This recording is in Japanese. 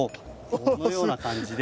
このような感じで。